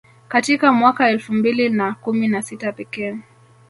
Katika mwaka elfu mbili na kumi na sita pekee